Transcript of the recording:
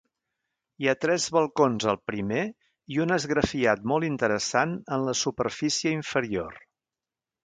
Hi ha tres balcons al primer i un esgrafiat molt interessant en la superfície inferior.